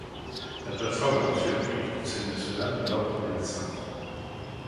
La plateforme a reçu l'appui du Conseil national de l'Ordre des médecins.